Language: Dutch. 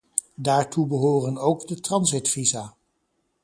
Daartoe behoren ook de transitvisa.